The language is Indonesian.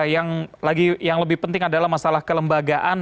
yang lagi yang lebih penting adalah masalah kelembagaan